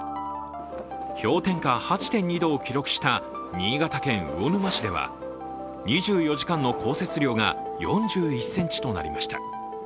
氷点下８．２度を記録した新潟県魚沼市では２４時間の降雪量が４１ｃｍとなりました。